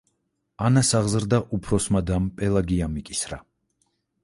ანას აღზრდა უფროსმა დამ პელაგიამ იკისრა.